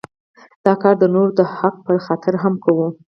دا کار د نورو د حق په خاطر هم کوو.